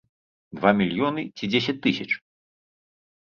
Два мільёны ці дзесяць тысяч?